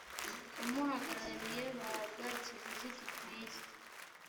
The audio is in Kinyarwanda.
umuhagarariye bahabwa ikiguzi gikwiye